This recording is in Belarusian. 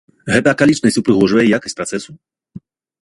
Гэта акалічнасць упрыгожвае якасць працэсу?